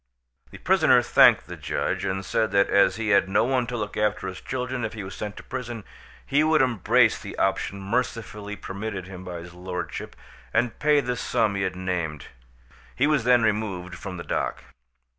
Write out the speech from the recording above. The prisoner thanked the judge, and said that as he had no one to look after his children if he was sent to prison, he would embrace the option mercifully permitted him by his lordship, and pay the sum he had named. He was then removed from the dock.